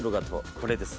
これです。